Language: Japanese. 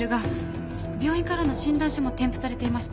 病院からの診断書も添付されていました。